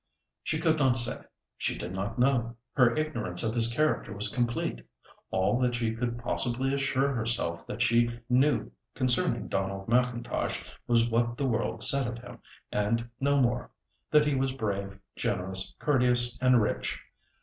She could not say. She did not know. Her ignorance of his character was complete. All that she could possibly assure herself that she knew concerning Donald M'Intosh was what the world said of him, and no more—that he was brave, generous, courteous, and rich.